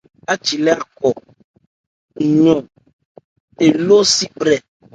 Aji lê Akho ɔ́nmɔn eló si brɛ.